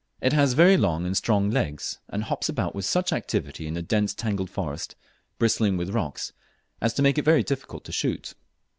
It has very long and strong legs, and hops about with such activity in the dense tangled forest, bristling with rocks, as to make it very difficult to shoot.